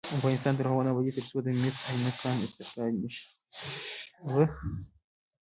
افغانستان تر هغو نه ابادیږي، ترڅو د مس عینک کان استخراج نشي.